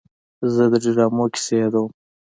زه د ډرامو کیسې یادوم.